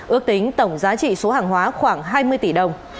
ước tính tổng giá trị số hàng hóa khoảng hai mươi tỷ đồng